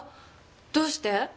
どうして？